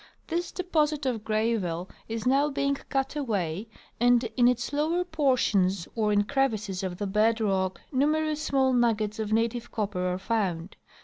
This de posit of gravel is now being cut away and in its lower |)ortions or in crevices of the bed rock numerous small nuggets of native copper are found.